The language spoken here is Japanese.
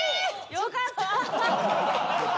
よかった！